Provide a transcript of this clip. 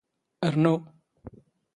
ⵔⵏⵓ!